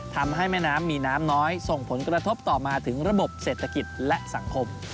ทำให้แม่น้ำมีน้ำน้อยส่งผลกระทบต่อมาถึงระบบเศรษฐกิจและสังคม